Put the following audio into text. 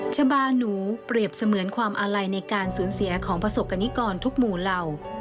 ชาบาหนูเปรียบเสมือนความอาลัยในการสูญเสียของประสบกรณิกรทุกหมู่เหล่า